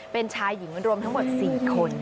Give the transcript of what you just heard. เป็นชายหญิงรวมทั้งหมด๔คน